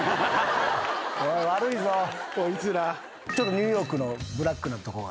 ニューヨークのブラックなとこが。